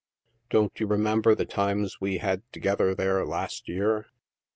don't you remember the times we had together there last year